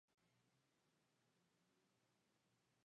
Se encuentra cerca del paso internacional homónimo.